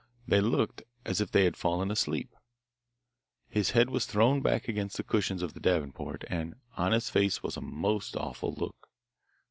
They looked as if they had fallen asleep. His head was thrown back against the cushions of the davenport, and on his face was a most awful look.